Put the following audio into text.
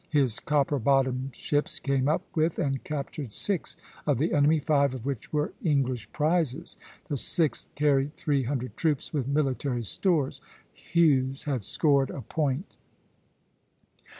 His copper bottomed ships came up with and captured six of the enemy, five of which were English prizes. The sixth carried three hundred troops with military stores. Hughes had scored a point.